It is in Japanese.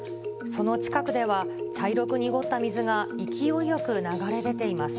その近くでは、茶色く濁った水が勢いよく流れ出ています。